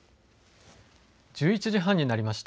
１１時半になりました。